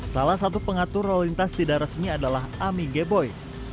salah satu pengatur lalu lintas tidak resmi adalah ami geboi